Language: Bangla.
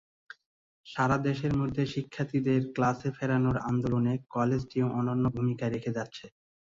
সারা দেশের মধ্যে শিক্ষার্থীদের ক্লাসে ফেরানোর আন্দোলনে কলেজটি অনন্য ভূমিকা রেখে যাচ্ছে।